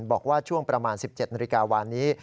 บอกว่าช่วงประมาณ๑๗นาฬิกาวานนี้